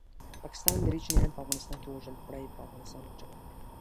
پاکستان دري چینایان په افغانستان کې ووژل پړه یې په افغانستان واچول